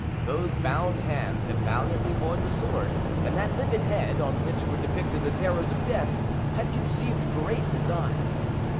Those bound hands had valiantly borne the sword, and that livid head, on which were depicted the terrors of death, had conceived great designs.